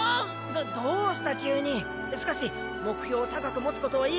どどうした急に⁉しかし目標を高く持つことはいいことだ！！